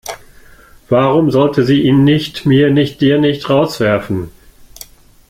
Warum sollte sie ihn nicht, mir nicht dir nicht, rauswerfen?